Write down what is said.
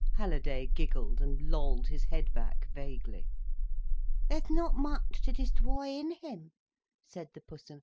Halliday giggled, and lolled his head back, vaguely. "There's not much to destroy in him," said the Pussum.